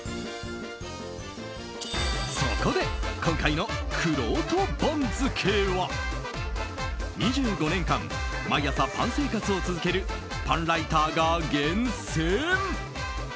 そこで今回のくろうと番付は２５年間、毎朝パン生活を続けるパンライターが厳選。